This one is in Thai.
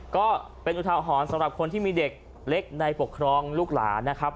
ก็เป็นอุทาหรณ์สำหรับคนที่มีเด็กเล็กในปกครองลูกหลานนะครับ